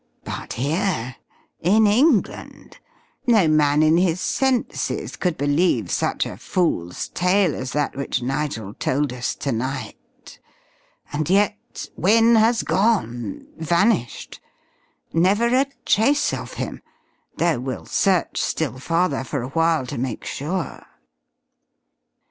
But here in England, no man in his senses could believe such a fool's tale as that which Nigel told us to night. And yet Wynne has gone, vanished! Never a trace of him, though we'll search still farther for a while, to make sure!"